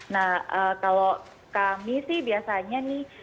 nah kalau kami sih biasanya nih